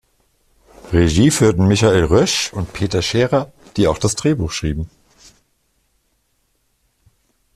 Regie führten Michael Roesch und Peter Scheerer, die auch das Drehbuch schrieben.